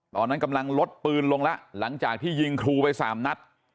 ตอนนั้นกำลังลดปืนลงแล้วหลังจากที่ยิงครูไปสามนัด